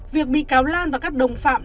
việc bị cáo lan và các đồng phạm